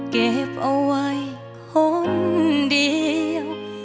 เก็บเอาไว้คนเดียว